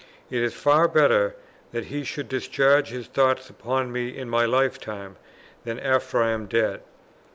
It is far better that he should discharge his thoughts upon me in my lifetime, than after I am dead.